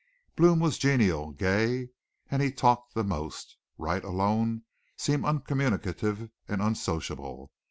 Blome was genial, gay, and he talked the most. Wright alone seemed uncommunicative and unsociable.